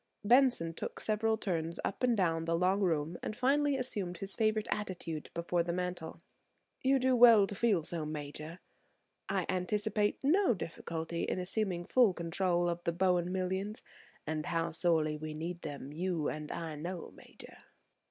Benson took several turns up and down the long room and finally assumed his favorite attitude before the mantel. "You do well to feel so, Major. I anticipate no difficulty in assuming full control of the Bowen millions, and how sorely we need them, you and I know, Major."